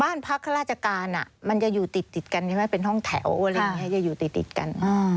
บ้านพักราชการมันจะอยู่ติดติดกันเป็นห้องแถวจะอยู่ติดติดกัน